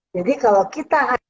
jadi kalau kita